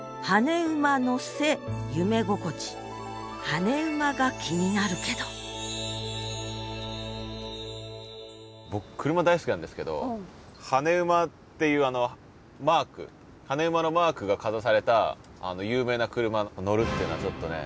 「跳ね馬」が気になるけど僕車大好きなんですけど跳ね馬っていうあのマーク跳ね馬のマークがかざされた有名な車に乗るっていうのはちょっとね